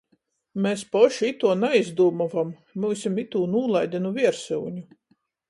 Mes poši ituo naizdūmovom, myusim itū nūlaide nu viersyuņu.